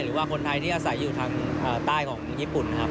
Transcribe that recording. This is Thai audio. หรือว่าคนไทยที่อาศัยอยู่ทางใต้ของญี่ปุ่นนะครับ